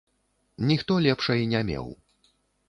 Ніхто лепшай не меў.